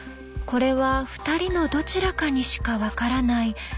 これは２人のどちらかにしか分からない